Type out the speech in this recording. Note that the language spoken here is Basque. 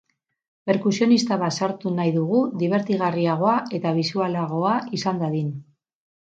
Perkusionista bat sartu nahi dugu dibertigarriagoa eta bisualagoa izan dadin.